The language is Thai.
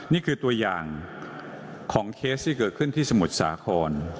นี่คือตัวอย่างของเคสที่เกิดขึ้นที่สมุทรสาคร